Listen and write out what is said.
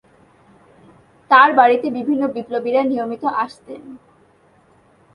তার বাড়িতে বিভিন্ন বিপ্লবীরা নিয়মিত আসতেন।